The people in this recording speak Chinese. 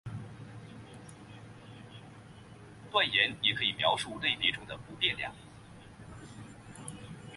断言也可以描述类别中的不变量。